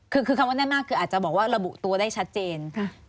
คือคำว่าแน่นมากคืออาจจะบอกว่าระบุตัวได้ชัดเจน